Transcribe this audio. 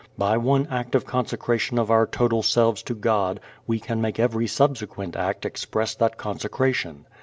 By one act of consecration of our total selves to God we can make every subsequent act express that consecration.